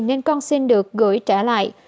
nên con xin được gửi trả lại